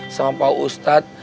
sama pak ustadz